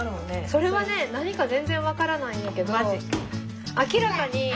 それはね何か全然分からないんやけど明らかに。